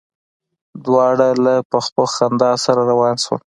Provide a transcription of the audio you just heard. دواړه له پخ پخ خندا سره روان شول.